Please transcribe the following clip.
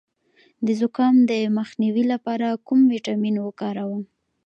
د زکام د مخنیوي لپاره کوم ویټامین وکاروم؟